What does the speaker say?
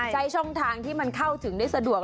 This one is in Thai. ใช้ช่องทางที่มันเข้าถึงได้สะดวก